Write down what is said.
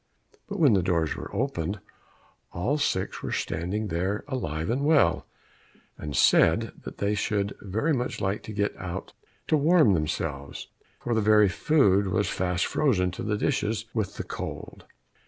But when the doors were opened, all six were standing there, alive and well, and said that they should very much like to get out to warm themselves, for the very food was fast frozen to the dishes with the cold.